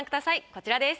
こちらです。